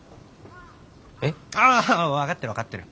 えっ？ああ分かってる分かってる！